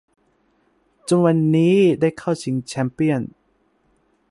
จนวันนี้ได้เข้าชิงแชมเปี้ยนส์